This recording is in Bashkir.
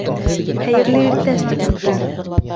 Хәйерле иртә, студенттар!